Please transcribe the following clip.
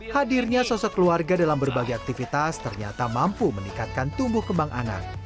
hadirnya sosok keluarga dalam berbagai aktivitas ternyata mampu meningkatkan tumbuh kembang anak